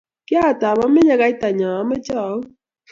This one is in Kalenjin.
Kiatam amenye kaitanyo ameche auu